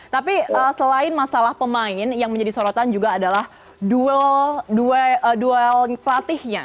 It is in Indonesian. tapi selain masalah pemain yang menjadi sorotan juga adalah duel pelatihnya